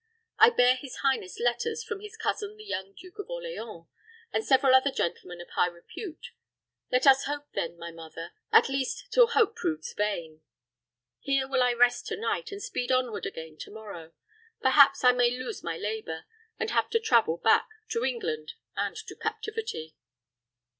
I bear his highness letters from his cousin the young Duke of Orleans, and several other gentlemen of high repute. Let us hope then, my mother, at least till hope proves vain. Here will I rest to night, and speed onward again to morrow. Perhaps I may lose my labor, and have to travel back to England and to captivity."